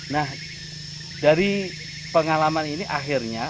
nah dari pengalaman ini akhirnya